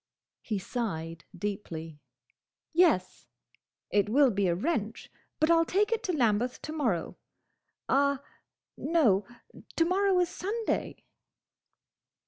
He sighed deeply. "Yes!—It will be a wrench, but I 'll take it to Lambeth to morrow—Ah, no! To morrow is Sunday!"